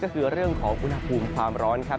ก็คือเรื่องของอุณหภูมิความร้อนครับ